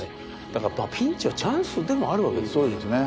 だからピンチはチャンスでもあるわけですね。